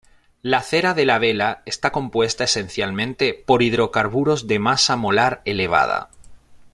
La cera de la vela está compuesta, esencialmente, por hidrocarburos de masa molar elevada.